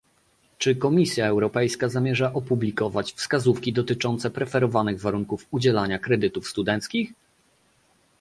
Czy Komisja Europejska zamierza opublikować wskazówki dotyczące preferowanych warunków udzielania kredytów studenckich?